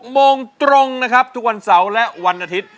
โมงตรงนะครับทุกวันเสาร์และวันอาทิตย์